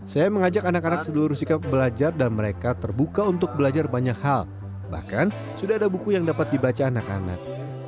saya mengajak anak anak sedulur sikap belajar dan mereka terbuka untuk belajar banyak hal bahkan sudah ada buku yang bisa dibaca anak anak